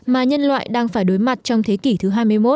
mà nhân loại đang phải đối mặt trong thế kỷ thứ hai mươi một